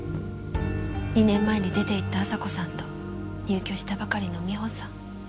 ２年前に出て行った亜沙子さんと入居したばかりの美帆さん。